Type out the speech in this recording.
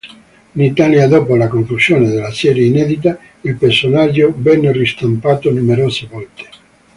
In Italia dopo la conclusione della serie inedita il personaggio venne ristampato numerose volte.